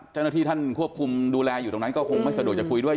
เจ้าหน้าที่ท่านควบคุมดูแลอยู่ตรงนั้นก็คงไม่สะดวกจะคุยด้วย